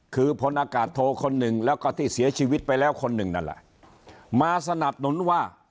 คือพลอากาศโทคนหนึ่งแล้วก็ที่เสียชีวิตไปแล้วคนหนึ่งนั่นแหละมาสนับสนุนว่า